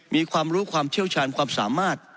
มีความรู้ความเชี่ยวชาญความสามารถ